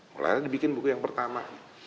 mulainya dibikin buku yang pertama